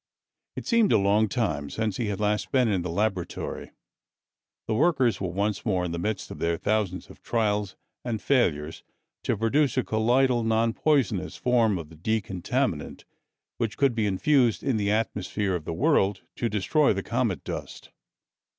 It seemed a long time since he had last been in the laboratory. The workers were once more in the midst of their thousands of trials and failures to produce a colloidal, non poisonous form of the decontaminant, which could be infused in the atmosphere of the world to destroy the comet dust.